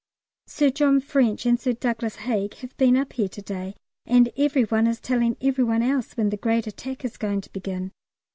Sir John French and Sir Douglas Haig have been up here to day, and every one is telling every one else when the great Attack is going to begin.